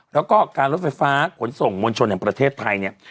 แล้วก็การรถไฟฟ้าขนส่งมวลชนแห่งประเทศไทยเนี่ย